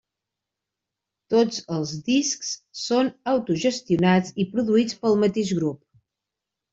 Tots els discs són autogestionats i produïts pel mateix grup.